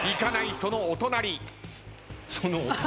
そのお隣。